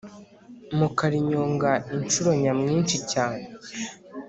mukarinyonga inshuro nyamwinshi cyane